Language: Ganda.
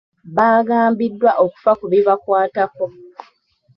Baagambiddwa okufa ku bibakwatako.